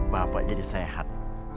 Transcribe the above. bapak jadi sehat